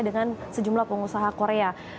dengan sejumlah pengusaha korea